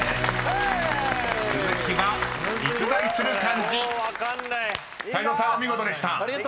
お見事でした］